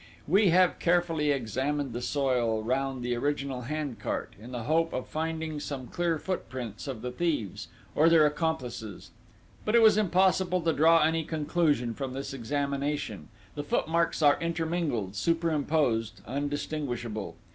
"We have carefully examined the soil round the original hand cart, in the hope of finding some clear footprints of the thieves, or their accomplices; but it was impossible to draw any conclusion from this examination the footmarks are intermingled, superimposed, undistinguishable.